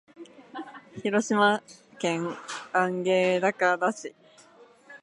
広島県安芸高田市